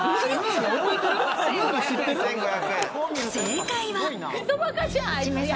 正解は。